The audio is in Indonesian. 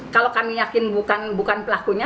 kalau kami yakin bukan pelakunya